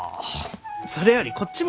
それよりこっちも見て！